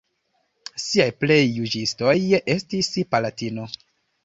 Siaj plej juĝisto estis palatino.